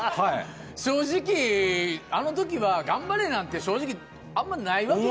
正直、あのときは、頑張れなんて、あんまりないわけや。